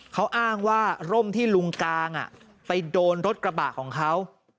เขาอ้างว่าร่มที่ลุงกางไปโดนรถกระบะของเขา